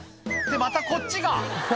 「ってまたこっちが！」